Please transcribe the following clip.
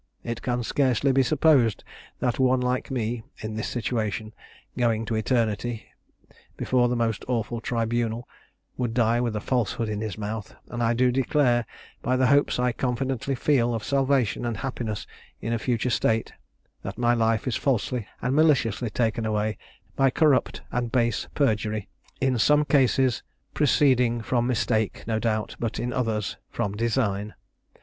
It can scarcely be supposed that one like me, in this situation, going to eternity, before the most awful tribunal, would die with a falsehood in his mouth; and I do declare, by the hopes I confidently feel of salvation and happiness in a future state, that my life is falsely and maliciously taken away by corrupt and base perjury, in some cases proceeding from mistake, no doubt, but in others from design.